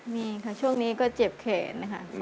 มีค่ะช่วงนี้ก็เจ็บแขนนะคะ